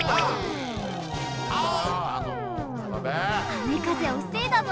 あめかぜをふせいだぞ！